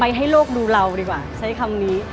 ให้โลกดูเราดีกว่าใช้คำนี้